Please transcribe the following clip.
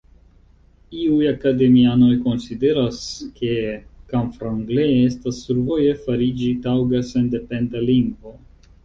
Iuj akademianoj konsideras ke "Camfranglais" estas survoje fariĝi taŭga sendependa lingvo.